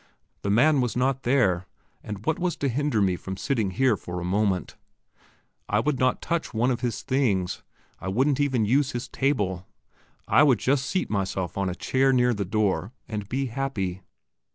The man was not there, and what was to hinder me from sitting here for a moment? I would not touch one of his things. I wouldn't even once use his table; I would just seat myself on a chair near the door, and be happy.